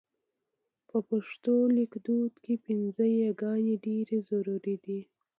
په پښتو لیکدود کې پينځه یې ګانې ډېرې ضرور دي.